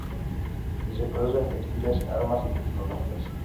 Y se producen textiles, armas y tecnologías.